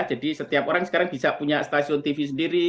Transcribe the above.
jadi setiap orang sekarang bisa punya stasiun tv sendiri